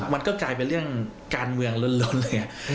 มันก็กลายเป็นเรื่องการเมืองล้นเลย